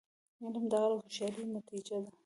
علم د عقل او هوښیاری نتیجه ده.